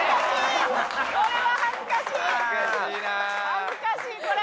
恥ずかしいこれ！